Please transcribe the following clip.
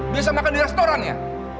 bisa makan di restoran ya